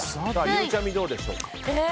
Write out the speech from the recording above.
ゆうちゃみ、どうでしょうか。